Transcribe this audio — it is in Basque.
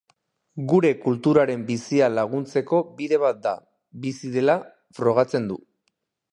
Gure kulturaren bizia laguntzeko bide bat da, bizi dela frogatzen du.